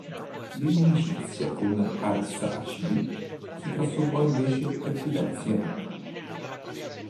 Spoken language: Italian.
L'inimicizia con gli Arsacidi si trascinò invece per diversi anni.